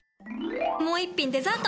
もう一品デザート！